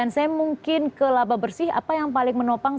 dan saya mungkin ke laba bersih apa yang paling menopang